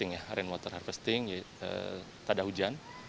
rain water harvesting ya rain water harvesting jadi tak ada hujan